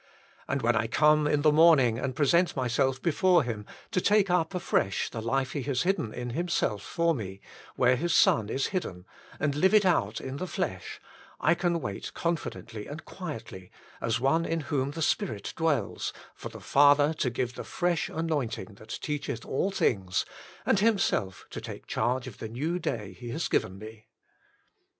And when I come in the morning and present myself before Him to take up afresh the life He has hidden in Himself for 104 The Inner Chamber me, where His Son is hidden, and live it out in the flesh, I can wait confidently and quietly, as one in whom the Spirit dwells, for the Father to give the fresh anointing that teacheth all things, and Himself to take charge of the new day He has given me.